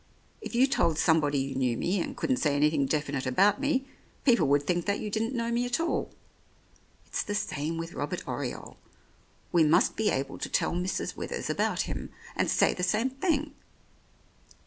If you told somebody you knew me, and couldn't say anything definite about me, people would think that you didn't know me at all. It's the same with Robert Oriole : we must be able to tell Mrs. Withers about him, and say the same thing.